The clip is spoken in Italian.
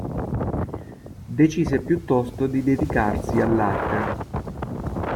Decise piuttosto di dedicarsi all'arte.